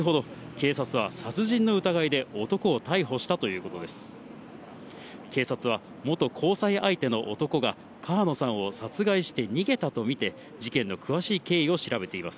警察は、元交際相手の男が川野さんを殺害して逃げたと見て、事件の詳しい経緯を調べています。